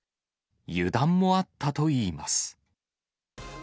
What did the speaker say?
油断もあったといいます。